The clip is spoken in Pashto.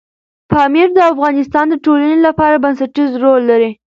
پامیر د افغانستان د ټولنې لپاره بنسټيز رول لري.